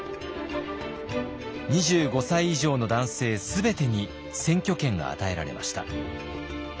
２５歳以上の男性全てに選挙権が与えられました。